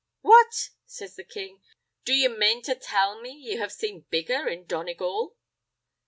"What!" says the king, "do ye mane to tell me ye have seen bigger in Donegal?"